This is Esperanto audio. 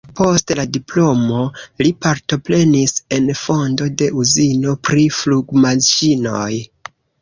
Post la diplomo li partoprenis en fondo de uzino pri flugmaŝinoj.